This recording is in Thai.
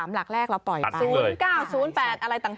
หลักแรกเราปล่อยมา๐๙๐๘อะไรต่าง